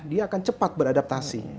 dia akan cepat beradaptasi